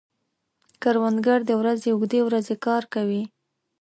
کروندګر د ورځې اوږدې ورځې کار کوي